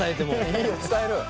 いいよ伝えろよ。